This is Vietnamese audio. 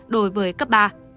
đối với cấp ba